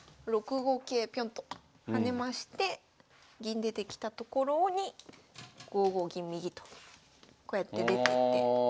６五桂ぴょんと跳ねまして銀出てきたところに５五銀右とこうやって出てって。